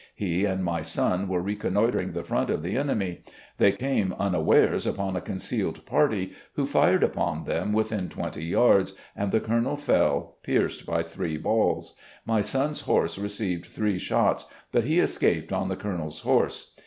He and my son were reconnoitering the front of the enemy. They came unawares upon a concealed party, who fired upon them within twenty yards, and the Colonel fell pierced by three balls. My son's horse received three shots, but he escaped on the Colonel's horse.